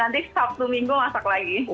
nanti sabtu minggu masak lagi